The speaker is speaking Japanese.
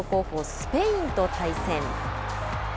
スペインと対戦。